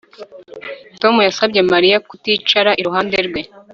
Tom yasabye Mariya kuticara iruhande rwe